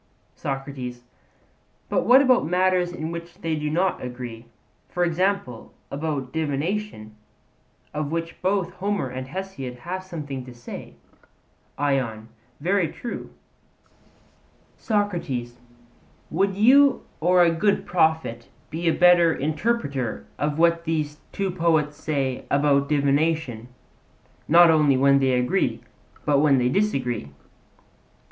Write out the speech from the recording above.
SOCRATES: But what about matters in which they do not agree? for example, about divination, of which both Homer and Hesiod have something to say, ION: Very true: SOCRATES: Would you or a good prophet be a better interpreter of what these two poets say about divination, not only when they agree, but when they disagree?